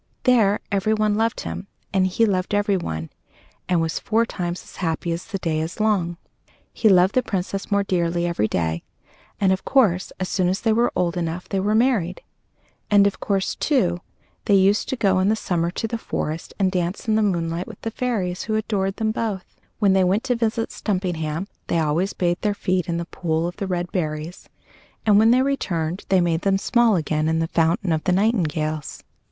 There everyone loved him, and he loved everyone, and was four times as happy as the day is long. He loved the Princess more dearly every day, and, of course, as soon as they were old enough, they were married. And of course, too, they used to go in the summer to the forest, and dance in the moonlight with the fairies, who adored them both. When they went to visit Stumpinghame, they always bathed their feet in the pool of the red berries; and when they returned, they made them small again in the fountain of the nightingales.